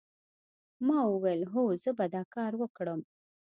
ما وویل هو زه به دا کار وکړم